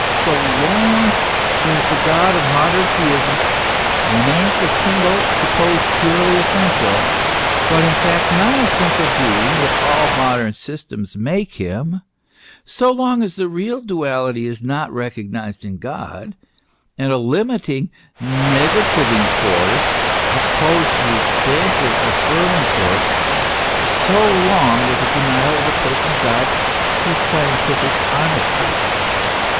" So long as the God of modern theism remains the simple, supposed purely essential but in fact nonessential Being that all modern systems make him, so long as a real duality is not recognised in God, and a limiting, negativing force, opposed to the expansive affirming force, so long will the denial of a personal God be scientific honesty."